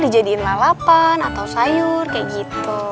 dijadiin lalapan atau sayur kayak gitu